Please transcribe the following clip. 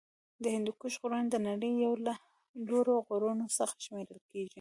د هندوکش غرونه د نړۍ یو له لوړو غرونو څخه شمېرل کیږی.